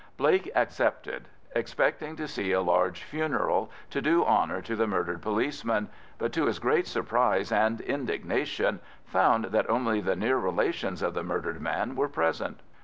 Blake accepted, expecting to see a large funeral to do honour to the murdered policeman, but to his great surprise and indignation found that only the near relations of the murdered man were present.